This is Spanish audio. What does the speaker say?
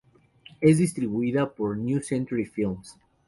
Es distribuida por New Century Films.